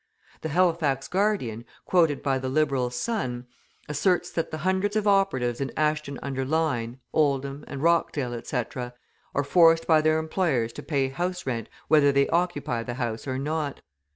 The Halifax Guardian, quoted by the Liberal Sun, asserts that hundreds of operatives in Ashton under Lyne, Oldham, and Rochdale, etc., are forced by their employers to pay house rent whether they occupy the house or not.